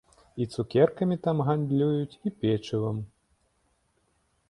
І цукеркамі там гандлююць, і печывам.